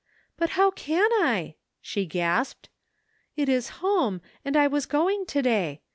" But how can I?" she gasped ; "it is home, and I was going to day.